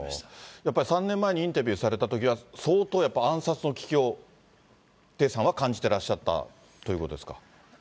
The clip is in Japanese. やっぱり、３年前にインタビューされたときは、相当やっぱり暗殺の危機を、テさんが感じてらっしゃったということですか。